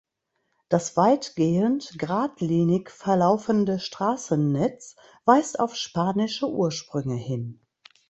Das weitgehend geradlinig verlaufende Straßennetz weist auf spanische Ursprünge hin.